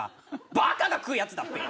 バカが食うやつだっぺ！